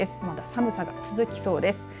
まだ寒さが続きそうです。